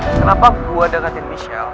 kenapa gua dekatin michelle